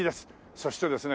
そしてですね